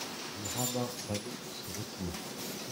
Le rabbin Banon se retire.